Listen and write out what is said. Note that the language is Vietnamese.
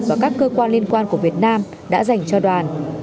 và các cơ quan liên quan của việt nam đã dành cho đoàn